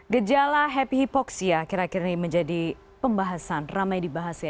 gejala happy hypoxia kira kira ini menjadi pembahasan ramai dibahas ya